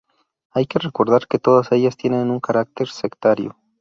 Hay que recordar que todas ellas tienen un carácter sectario.